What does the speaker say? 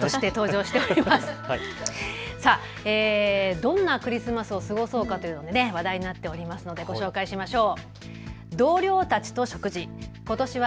どんなクリスマスを過ごそうかというのが話題になっていますのでご紹介しましょう。